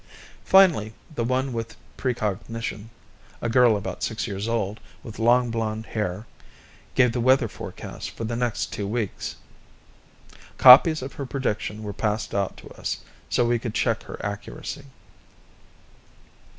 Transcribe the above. Finally, the only one with precognition a girl about six years old, with long blonde hair gave the weather forecast for the next two weeks. Copies of her prediction were passed out to us, so we could check her accuracy.